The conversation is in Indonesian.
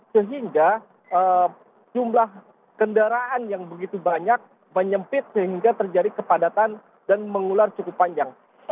sehingga jumlah kendaraan yang begitu banyak menyempit sehingga terjadi kepadatan dan mengular cukup panjang